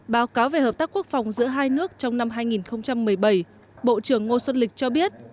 báo cáo về hợp tác quốc phòng giữa hai nước trong năm hai nghìn một mươi bảy bộ trưởng ngô xuân lịch cho biết